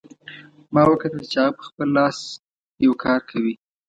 ما وکتل چې هغه په خپل لاس یو کار کوي